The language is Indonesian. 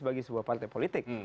bagi sebuah partai politik